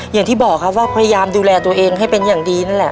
อย่างที่บอกครับว่าพยายามดูแลตัวเองให้เป็นอย่างดีนั่นแหละ